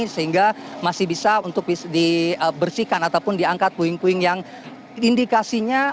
sehingga masih bisa untuk dibersihkan ataupun diangkat puing puing yang indikasinya